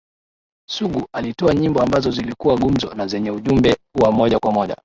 Sugu alitoa nyimbo ambazo zilikuwa gumzo na zenye ujumbe wa moja kwa moja